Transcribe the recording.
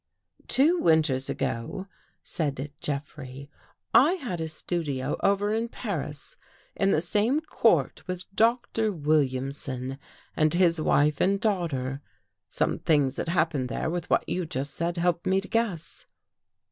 "" Two winters ago," said Jeffrey, " I had a studio over in Paris in the same court with Doctor Williamson and his wife and daughter. Some things that happened there, with what you just said, helped me to guess."